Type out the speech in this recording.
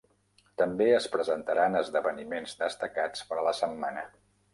També es presentaran esdeveniments destacats per a la setmana.